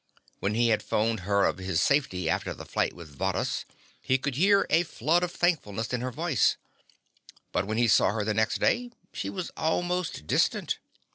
When he had phoned her of his safety after the fight with Varrhus he could hear a flood of thankfulness in her voice, but when he saw her the next day she was almost distant.